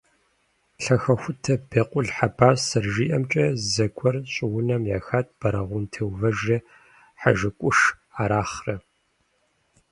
Лъахэхутэ Бекъул Хьэбас зэрыжиӀэмкӀэ, зэгуэр щӀыунэм ехат Бэрэгъун Теувэжрэ ХьэжыкӀуш Арахърэ.